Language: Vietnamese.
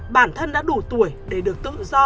bản thân đã đủ tuổi để được tự do